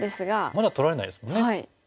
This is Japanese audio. まだ取られないですもんね。